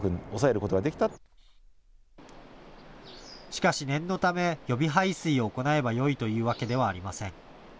しかし念のため予備排水を行えばよいというわけではありません。